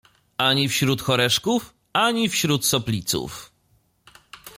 Ani wśród Horeszków, ani wśród Sopliców